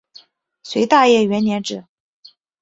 隋大业元年置。